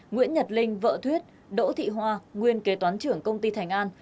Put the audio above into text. nguyễn nhật linh vợ thuyết đỗ thị hoa nguyên kế toán trưởng công ty thành an